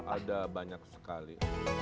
ada banyak sekali